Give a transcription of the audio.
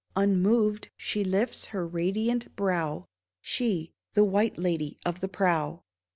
Unmoved she lifts her radiant brow — She, the White Lady of the Prow